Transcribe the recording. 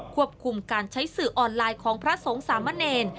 ควบคุมการใช้สื่อออนไลน์ของพระสงฆ์สามะเนร